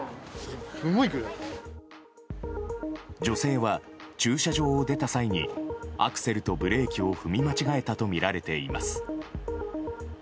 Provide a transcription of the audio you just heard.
女性は駐車場を出た際にアクセルとブレーキを踏み間違えたとみられています。